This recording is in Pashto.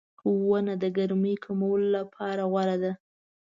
• ونه د ګرمۍ کمولو لپاره غوره ده.